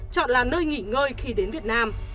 chọn là nơi nghỉ ngơi khi đến việt nam